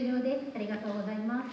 ありがとうございます。